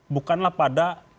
bukanlah pada konstruktif